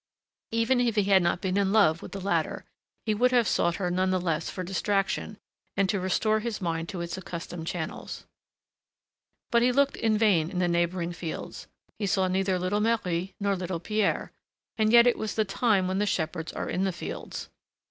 Even if he had not been in love with the latter, he would have sought her none the less for distraction, and to restore his mind to its accustomed channels. But he looked in vain in the neighboring fields, he saw neither little Marie nor little Pierre; and yet it was the time when the shepherds are in the fields.